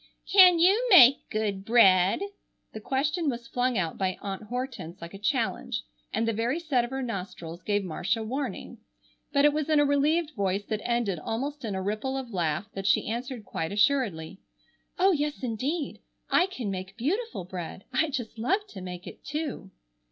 "Can you make good bread?" The question was flung out by Aunt Hortense like a challenge, and the very set of her nostrils gave Marcia warning. But it was in a relieved voice that ended almost in a ripple of laugh that she answered quite assuredly: "Oh, yes, indeed. I can make beautiful bread. I just love to make it, too!"